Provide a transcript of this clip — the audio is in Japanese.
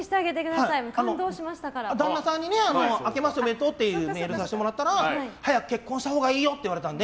旦那さんに明けましておめでとうってメールさせてもらったら早く結婚したほうがいいよって言われたので